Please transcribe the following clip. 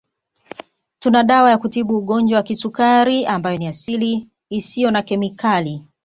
Tuna dawa ya kutibu Ugonjwa wa Kisukari ambayo ni ya asili isiyo na kemikali